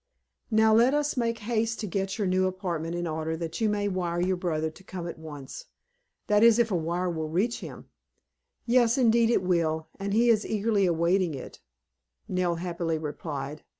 "Now, let us make haste to get your new apartment in order that you may wire your brother to come at once; that is, if a wire will reach him." "Yes, indeed it will, and he is eagerly awaiting it," Nell happily replied.